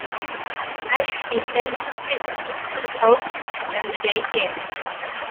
I should be sent to prison, I suppose, when the day came.